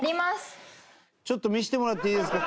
ちょっと見せてもらっていいですか？